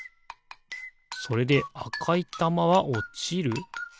それであかいたまはおちる？